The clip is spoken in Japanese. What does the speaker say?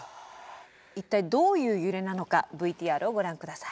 一体どういう揺れなのかＶＴＲをご覧下さい。